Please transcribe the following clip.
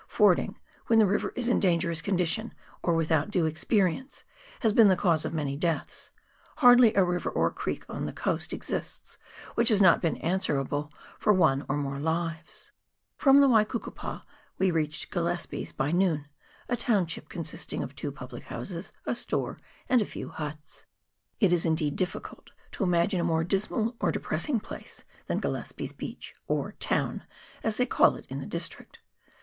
Fording, when the river is in dangerous condition, or without due experience, has been the cause of many deaths ; hardly a river or creek on the coast exists which has not been answerable for one or more lives. From the Waikukupa we reached Gillespies by noon, a township con sisting of two publichouses, a store, and a few huts. It is, indeed, difficult to imagine a more dismal or depressing place than Gilliespies Beach, or " town " as they call it in the district.